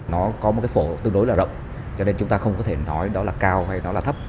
nó có một phổ tương đối rộng cho nên chúng ta không có thể nói đó là cao hay thấp